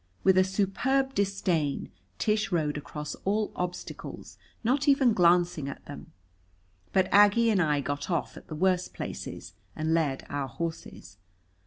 With a superb disdain Tish rode across all obstacles, not even glancing at them. But Aggie and I got off at the worst places and led our horses.